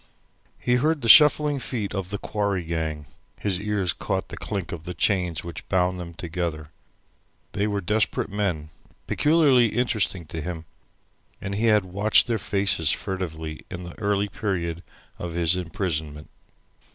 He heard the shuffling feet of the quarry gang, his ears caught the clink of the chains which bound them together. They were desperate men, peculiarly interesting to him, and he had watched their faces furtively in the early period of his imprisonment.